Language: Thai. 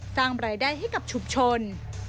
สร้างรายได้ให้กับชุมชน